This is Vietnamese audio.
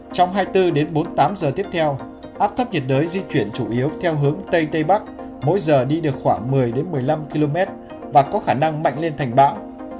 trong hai mươi bốn đến bốn mươi tám giờ tiếp theo áp thấp nhiệt đới di chuyển chủ yếu theo hướng tây tây bắc mỗi giờ đi được khoảng một mươi một mươi năm km và có khả năng mạnh lên thành bão